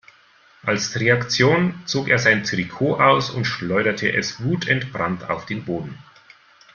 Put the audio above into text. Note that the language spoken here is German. Als Reaktion zog er sein Trikot aus und schleuderte es wutentbrannt auf den Boden.